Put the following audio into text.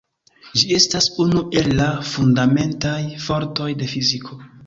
Ĝi estas unu el la fundamentaj fortoj de fiziko.